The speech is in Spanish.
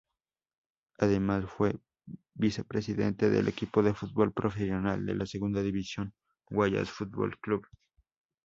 Además, fue Vicepresidente del equipo de fútbol profesional de segunda división Guayas Fútbol Club.